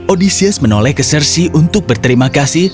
odysseus menoleh ke cersei untuk berterima kasih